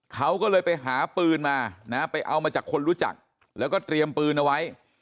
เขาก็เลยไปหาปืนมานะไปเอามาจากคนรู้จักแล้วก็เตรียมปืนเอาไว้